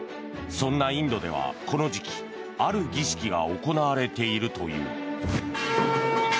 そんなインドではこの時期ある儀式が行われているという。